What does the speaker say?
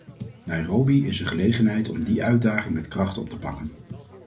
Nairobi is een gelegenheid om die uitdaging met kracht op te pakken.